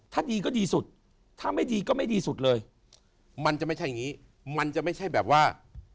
ถ้าดีก็ดีสุดถ้าไม่ดีก็ไม่ดีสุดเลยมันจะไม่ใช่อย่างนี้มันจะไม่ใช่แบบว่า